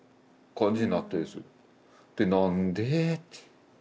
で何で？って。